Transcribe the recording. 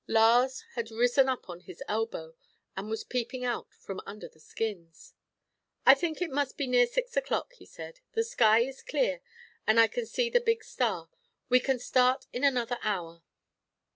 Lars had risen up on his elbow, and was peeping out from under the skins. "I think it must be near six o'clock," he said. "The sky is clear, and I can see the big star. We can start in another hour."